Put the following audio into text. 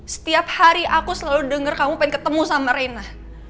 setiap hari aku selalu dengar kamu pengen ketemu sama rena